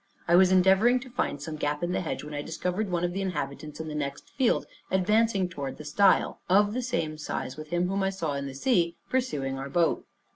I was endeavoring to find some gap in the hedge, when I discovered one of the inhabitants in the next field, advancing toward the stile, of the same size with him whom I saw in the sea pursuing our boat.